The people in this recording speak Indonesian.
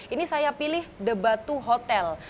ini saya pilih the batu hotel